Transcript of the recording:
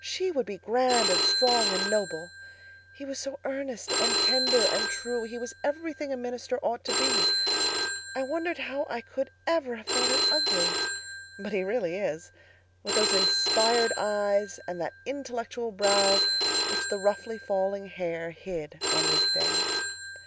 She would be grand and strong and noble. He was so earnest and tender and true. He was everything a minister ought to be. I wondered how I could ever have thought him ugly—but he really is!—with those inspired eyes and that intellectual brow which the roughly falling hair hid on week days.